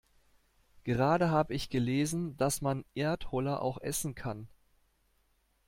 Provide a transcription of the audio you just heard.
Gerade hab ich gelesen, dass man Erdholler auch essen kann.